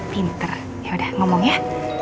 pinter yaudah ngomong ya